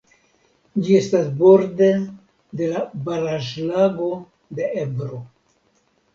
Ĝi estas borde de la Baraĵlago de Ebro.